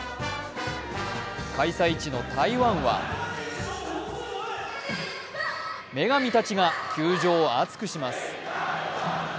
開催地の台湾は女神たちが球場を熱くします。